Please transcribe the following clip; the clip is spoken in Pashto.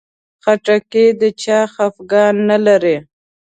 خټکی د چا خفګان نه لري.